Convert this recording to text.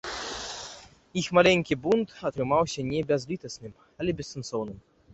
Іх маленькі бунт атрымаўся не бязлітасным, але бессэнсоўным.